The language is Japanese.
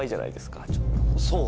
そう？